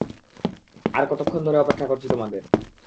আরে কতোক্ষণ ধরে অপেক্ষা করছি তোমাদের!